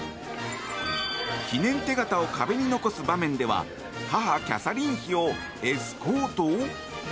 記念手形を壁に残す場面では母キャサリン妃をエスコート？